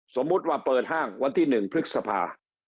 สมมุติว่าเปิดห้างวันที่๑พฤษภา